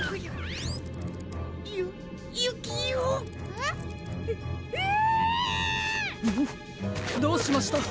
うん？どうしました？